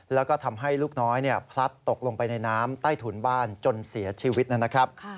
แล้วก็ทำให้ลูกน้อยพลัดตกลงไปในน้ำใต้ถุนบ้านจนเสียชีวิตนะครับ